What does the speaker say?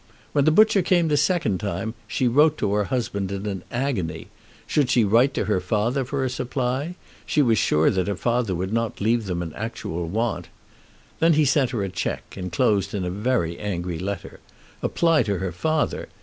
When the butcher came the second time she wrote to her husband in an agony. Should she write to her father for a supply? She was sure that her father would not leave them in actual want. Then he sent her a cheque, enclosed in a very angry letter. Apply to her father!